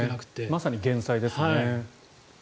まさに減災ですね。